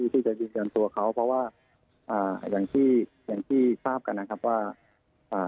ที่จะยืนยันตัวเขาเพราะว่าอย่างที่ทราบกันนะครับว่า